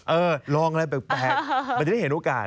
เออลองอะไรแปลกมันจะได้เห็นโอกาส